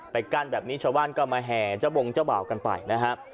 กั้นแบบนี้ชาวบ้านก็มาแห่เจ้าบงเจ้าบ่าวกันไปนะฮะ